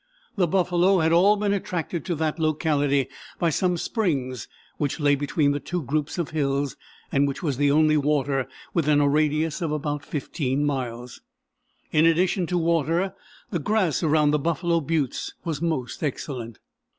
The buffalo had all been attracted to that locality by some springs which lay between two groups of hills, and which was the only water within a radius of about 15 miles. In addition to water, the grass around the Buffalo Buttes was most excellent.